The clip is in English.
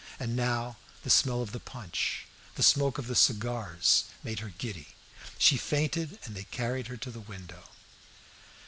And now the smell of the punch, the smoke of the cigars, made her giddy. She fainted, and they carried her to the window.